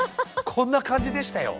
こんな感じでしたよ。